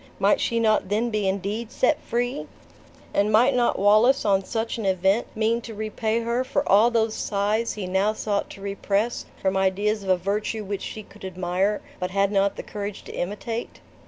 Might she not then be indeed set free? And might not Wallace, on such an event, mean to repay her for all those sighs he now sought to repress from ideas of a virtue which she could admire, but had not the courage to imitate?